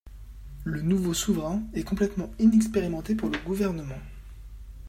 Le nouveau souverain est complètement inexpérimenté pour le gouvernement.